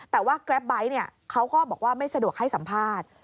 แต่ว่าแกรปไบท์เขาก็บอกว่าไม่สะดวกให้สัมภาษณ์